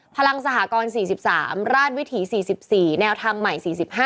พลังสหกร๔๓ราชวิถี๔๔แนวทำใหม่๔๕